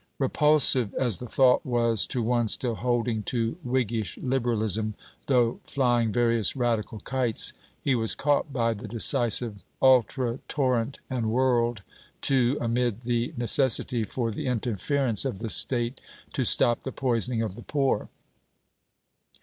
Repulsive as the thought was to one still holding to Whiggish Liberalism, though flying various Radical kites, he was caught by the decisive ultratorrent, and whirled to amid the necessity for the interference of the State, to stop the poisoning of the poor.